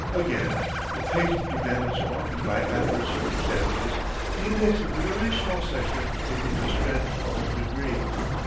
Again, with haste demanded so often by adverse circumstances, the index of a very small sextant may be misread a whole degree.